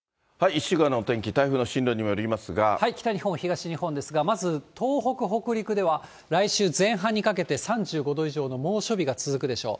１週間のお天気、北日本、東日本ですが、まず東北、北陸では来週前半にかけて、３５度以上の猛暑日が続くでしょう。